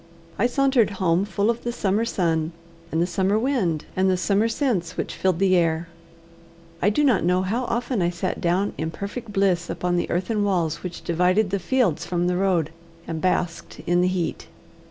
I sauntered home full of the summer sun, and the summer wind, and the summer scents which filled the air. I do not know how often I sat down in perfect bliss upon the earthen walls which divided the fields from the road, and basked in the heat.